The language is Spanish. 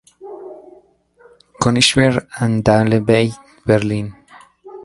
Königsberg and Dahlem bei Berlin".